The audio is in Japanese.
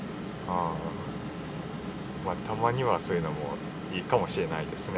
まあたまにはそういうのもいいかもしれないですね。